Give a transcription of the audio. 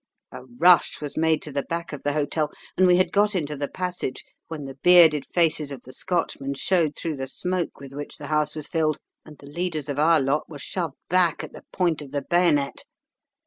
A rush was made to the back of the hotel, and we had got into the passage, when the bearded faces of the Scotchmen showed through the smoke with which the house was filled, and the leaders of our lot were shoved back at the point of the bayonet.